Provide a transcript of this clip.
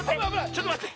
ちょっとまって。